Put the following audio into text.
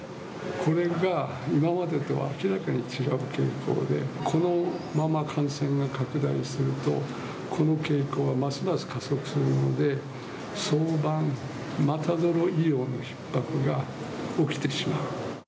これが今までとは明らかに違う傾向で、このまま感染が拡大すると、この傾向はますます加速するので、早晩、また医療のひっ迫が起きてしまう。